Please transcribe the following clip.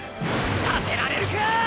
させられるか！